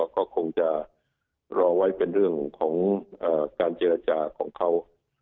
ก็คงจะรอไว้เป็นเรื่องของการเจรจาของเขา